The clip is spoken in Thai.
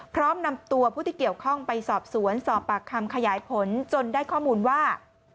พร้อมนำตัวผู้ที่เกี่ยวข้องไปสอบสวนสอบปากคำขยายผลจนได้ข้อมูลว่า